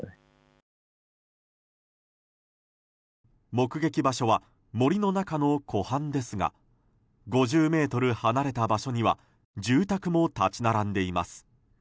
目撃場所は森の中の湖畔ですが５０ｍ離れた場所には住宅も立ち並んでいます。